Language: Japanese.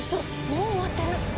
もう終わってる！